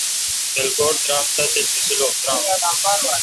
کلھکوٹ درآم تحصیل می سولح درام۔